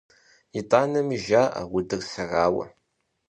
ИтӀанэми жаӀэ удыр сэрауэ!